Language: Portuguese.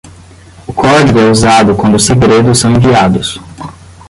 O código é usado quando os segredos são enviados.